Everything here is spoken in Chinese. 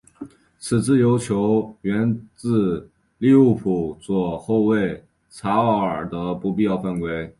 此自由球源自利物浦左后卫查奥尔的不必要犯规。